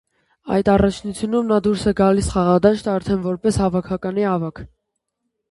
Այդ առաջնությունում նա դուրս է գալիս խաղադաշտ արդեն որպես հավաքականի ավագ։